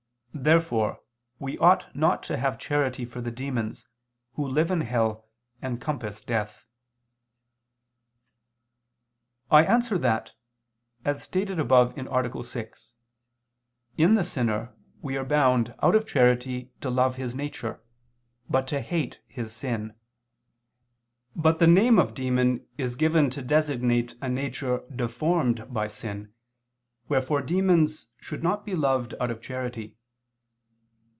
Therefore we ought not to have charity for the demons who live in hell and compass death. I answer that, As stated above (A. 6), in the sinner, we are bound, out of charity, to love his nature, but to hate his sin. But the name of demon is given to designate a nature deformed by sin, wherefore demons should not be loved out of charity.